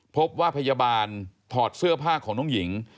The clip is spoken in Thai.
พบว่าพยาบาลถอดเสื้อผ้าของน้องหญิง